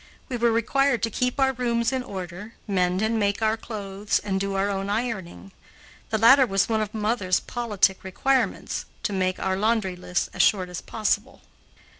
We were required to keep our rooms in order, mend and make our clothes, and do our own ironing. The latter was one of my mother's politic requirements, to make our laundry lists as short as possible.